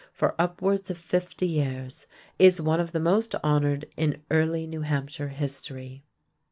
for upwards of fifty years, is one of the most honored in early New Hampshire history.